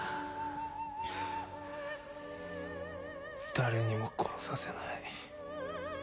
誰にも殺させない。